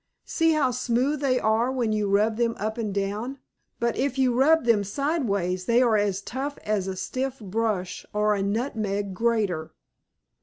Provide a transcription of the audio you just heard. See how smooth they are when you rub them up and down. But if you rub them sideways they are as rough as a stiff brush or a nutmeg grater."